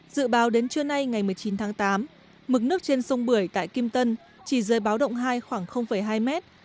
dự báo đến trưa nay ngày một mươi chín tháng tám mực nước trên sông bưởi tại kim tân chỉ dưới báo động hai khoảng hai mét